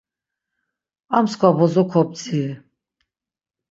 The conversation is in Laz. Ar mskva bozo kobdziri.